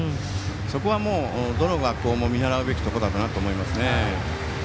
そこは、どの学校も見習うべきところだと思いますね。